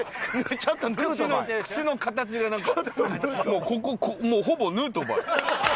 もうここほぼヌートバー。